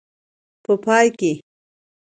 په پای کې.